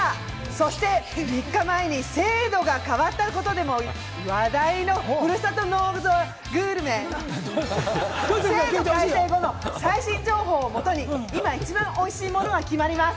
そして、３日前に制度が変わったことでも話題のふるさと納税グルメ、制度改正後の最新情報をもとに、今一番美味しいものが決まります。